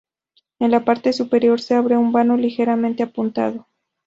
En la parte superior se abre un vano ligeramente apuntado.